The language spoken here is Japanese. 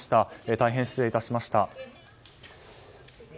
大変、失礼いたしました。